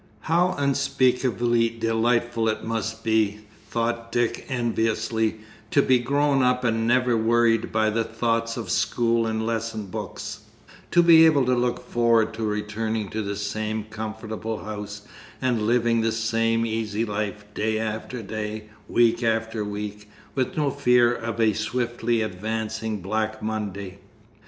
How unspeakably delightful it must be, thought Dick enviously, to be grown up and never worried by the thoughts of school and lesson books; to be able to look forward to returning to the same comfortable house, and living the same easy life, day after day, week after week, with no fear of a swiftly advancing Black Monday.